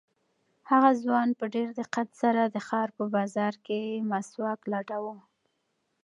هغه ځوان په ډېر دقت سره د ښار په بازار کې مسواک لټاوه.